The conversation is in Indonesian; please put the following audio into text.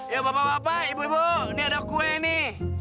ya bapak bapak ibu ibu ini ada kue nih